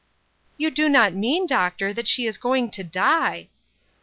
" You do not mean, doctor, that she is going to die